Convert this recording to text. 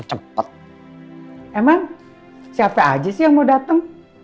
emang siapa aja sih yang mau datang